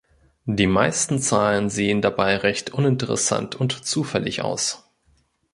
Die meisten Zahlen sehen dabei recht „uninteressant“ und „zufällig“ aus.